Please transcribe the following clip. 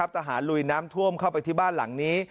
ทหารลุยน้ำท่วมเข้าไปที่บ้านหลังนี้